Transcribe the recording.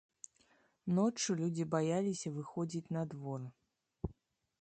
Ноччу людзі баяліся выходзіць на двор.